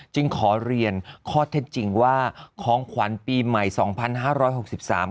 จึงขอเรียนข้อเท็จจริงว่าของขวัญปีใหม่สองพันห้าร้อยหกสิบสาม